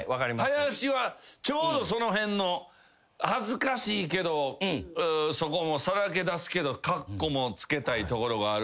林はちょうどその辺の恥ずかしいけどそこもさらけ出すけどカッコもつけたいところがある